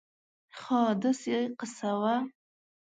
خاا داسې قیصه وه